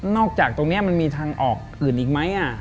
จากตรงนี้มันมีทางออกอื่นอีกไหม